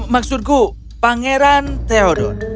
maksudku pangeran theodore